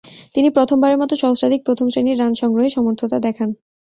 তিনি প্রথমবারের মতো সহস্রাধিক প্রথম-শ্রেণীর রান সংগ্রহে সমর্থতা দেখান।